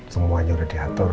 semuanya udah diatur